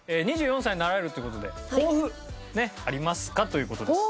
２４歳になられるという事で抱負ねありますか？という事です。